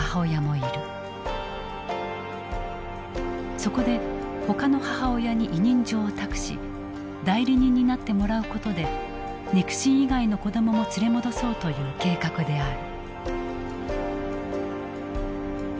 そこでほかの母親に委任状を託し代理人になってもらうことで肉親以外の子どもも連れ戻そうという計画である。